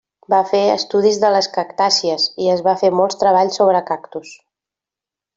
Va fer estudis de les cactàcies i es va fer molts treballs sobre cactus.